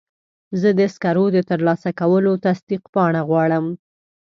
زه د سکرو د ترلاسه کولو تصدیق پاڼه غواړم.